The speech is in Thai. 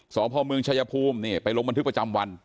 สพเมืองชายภูมินี่ไปลงบันทึกประจำวัน